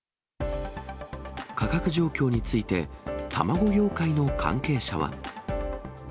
価格状況について、卵業界の関係者は。